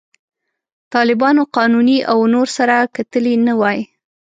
طالبانو، قانوني او نور سره کتلي نه وای.